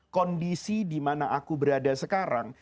kondisi dimana aku berada sekarang